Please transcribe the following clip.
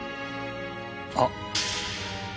あっ！